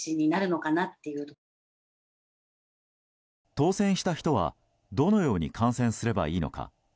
当選した人はどのように観戦すればいいのか。